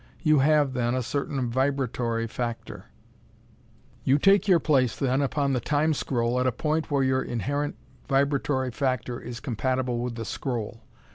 You have, then, a certain vibratory factor. You take your place then upon the Time scroll at a point where your inherent vibratory factor is compatible with the scroll.